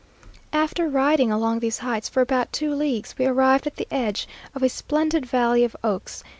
After riding along these heights for about two leagues, we arrived at the edge of a splendid valley of oaks.